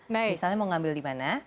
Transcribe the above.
misalnya mau ngambil di mana